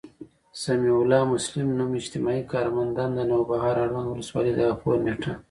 سمیع الله مسلم، نـــوم، اجتماعي کارمنددنــده، نوبهار، اړونــد ولسـوالـۍ، د راپــور نیــټه